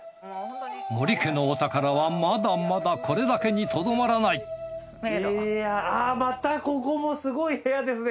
森家のお宝はまだまだこれだけにとどまらないいやまたここもすごい部屋ですね。